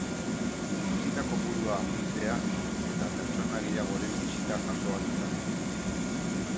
Bisita kopurua handitzea eta pertsona gehiagoren bisita jaso ahal izatea.